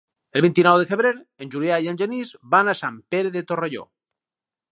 El vint-i-nou de febrer en Julià i en Genís van a Sant Pere de Torelló.